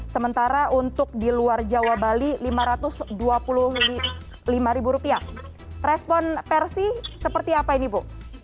sementara untuk di luar jawa bali rp lima ratus dua puluh lima respon versi seperti apa ini bu